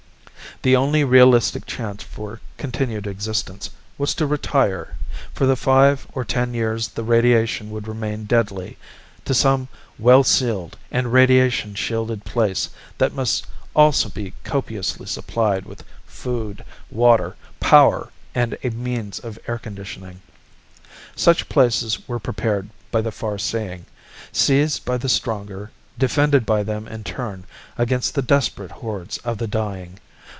The only realistic chance for continued existence was to retire, for the five or ten years the radiation would remain deadly, to some well sealed and radiation shielded place that must also be copiously supplied with food, water, power, and a means of air conditioning. Such places were prepared by the far seeing, seized by the stronger, defended by them in turn against the desperate hordes of the dying